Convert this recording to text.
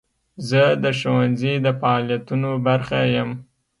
زه د ښوونځي د فعالیتونو برخه یم.